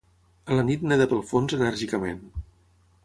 A la nit neda pel fons enèrgicament.